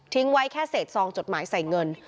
ไว้แค่เศษซองจดหมายใส่เงิน